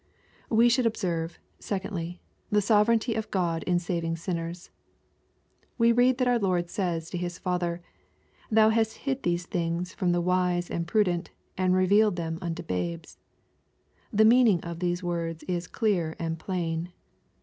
We should observe, secondly, the sovereignty of Ood in saving sinners. We read that our Lord says to His Father, " Thou hast hid these things from the wise and prudent, and revealed them unto babes." The meaning of these words is clear and plain.